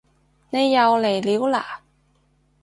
你又嚟料嘞